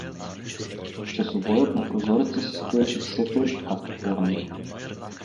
Часовоят на прозореца си стоеше все тъй, както по-рано.